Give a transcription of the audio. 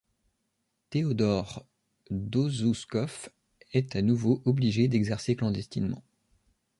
Theodor Dosuzkov est à nouveau obligé d'exercer clandestinement.